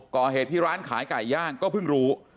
ก่อเหตุที่ร้านขายไก่ย่างก็เพิ่งรู้